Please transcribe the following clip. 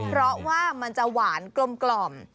เพราะว่ามันจะหวานกลม